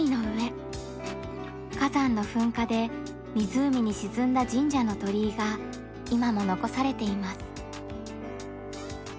火山の噴火で湖に沈んだ神社の鳥居が今も残されています。